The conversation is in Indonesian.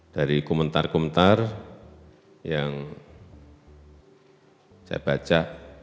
dari komentar komentar yang saya baca